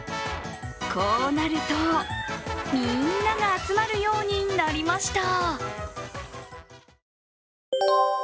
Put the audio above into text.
こうなると、みんなが集まるようになりました。